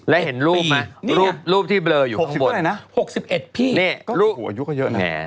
แล้วเห็นรูปไหมรูปที่เบลออยู่ข้างบน๖๑พี่นี่รูปอายุก็เยอะไง